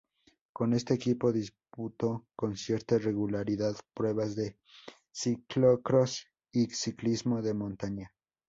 Con este equipo disputó con cierta regularidad pruebas de ciclocrós y ciclismo de montaña.